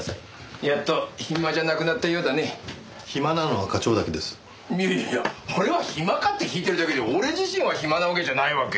いやいや俺は暇か？って聞いてるだけで俺自身は暇なわけじゃないわけ。